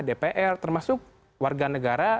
dpr termasuk warga negara